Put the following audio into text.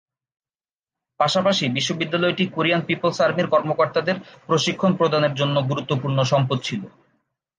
পাশাপাশি বিশ্ববিদ্যালয়টি Korean People's আর্মির কর্মকর্তাদের প্রশিক্ষণ প্রদানের জন্য গুরুত্বপূর্ণ সম্পদ ছিল।